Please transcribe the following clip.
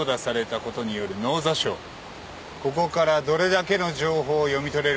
ここからどれだけの情報を読み取れるか。